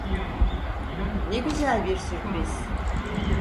Ne güzel bir sürpriz.